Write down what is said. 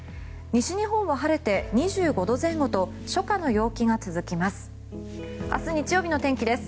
西日本は晴れて２５度前後と初夏の陽気が続きます。